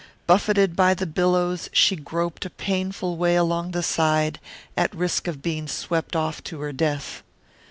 Buffeted by the billows she groped a painful way along the side, at risk of being swept off to her death.